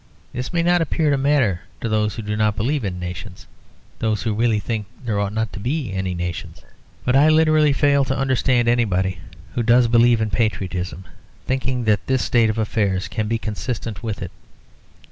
This may not appear to matter to those who do not believe in nations, those who really think there ought not to be any nations. But I literally fail to understand anybody who does believe in patriotism thinking that this state of affairs can be consistent with it.